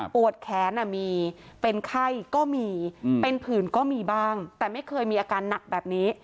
ปวดแขนมีเป็นไข้ก็มีเป็นผื่นก็มีบ้างแต่ไม่เคยมีอาการหนักแบบนี้